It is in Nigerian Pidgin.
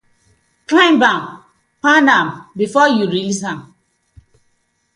Climb am, pound am befor yu release am.